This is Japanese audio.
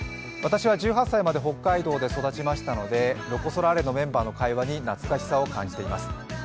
私は１８歳まで北海道で育ちましたので、ロコ・ソラーレのメンバーの会話に懐かしさを感じています。